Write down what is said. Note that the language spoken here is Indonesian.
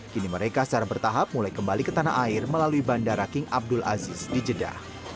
kini mereka secara bertahap mulai kembali ke tanah air melalui bandara king abdul aziz di jeddah